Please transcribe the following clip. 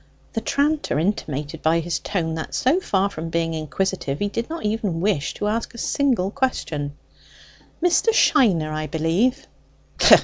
The tranter intimated by his tone that, so far from being inquisitive, he did not even wish to ask a single question. "Mr. Shiner, I believe."